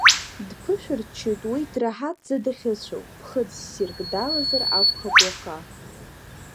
Дԥышәырччоит уи драҳаҭӡа дахьыцәоу, ԥхыӡ ссирк далазар акәхап уаха.